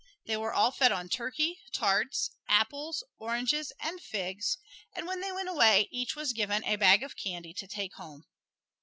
They were all fed on turkey, tarts, apples, oranges and figs; and when they went away, each was given a bag of candy to take home.